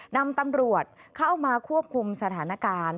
นำตำรวจเข้ามาควบคุมสถานการณ์